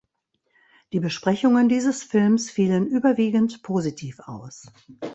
Die Besprechungen dieses Films fielen überwiegend positiv aus.